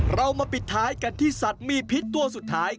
เรามาปิดท้ายกันที่สัตว์มีพิษตัวสุดท้าย